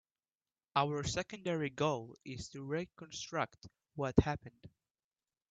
Our secondary goal is to reconstruct what happened.